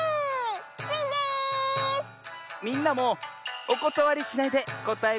みんなもおことわりしないでこたえてよ。